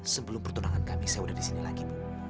sebelum pertunangan kami saya udah disini lagi